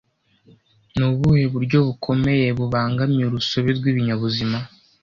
Ni ubuhe buryo bukomeye bubangamiye urusobe rw'ibinyabuzima